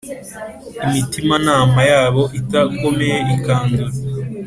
imitimanama yabo idakomeye ikandura